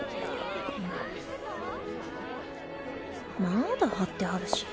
・まだ貼ってあるし。